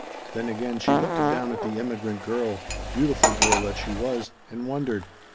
Then again she looked down at the immigrant girl beautiful girl that she was. And wondered.